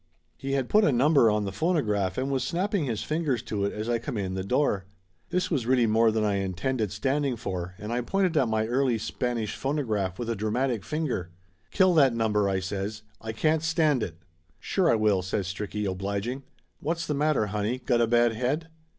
He had put a number on the phono graph and was snapping his fingers to it as I come in the door. This was really more than I intended standing for, and I pointed at my early Spanish phono graph with a dramatic ringer. "Kill that number !" I says. "I can't stand it !" "Sure I will !" says Stricky, obliging. "What's the matter, honey, got a bad head?"